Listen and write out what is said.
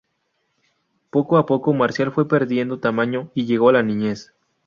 Poco a poco Marcial fue perdiendo tamaño y llegó a la niñez.